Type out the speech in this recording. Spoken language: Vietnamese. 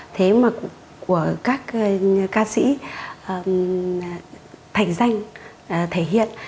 thế mà của các ca sĩ thành danh thể hiện